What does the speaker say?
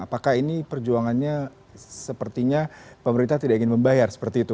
apakah ini perjuangannya sepertinya pemerintah tidak ingin membayar seperti itu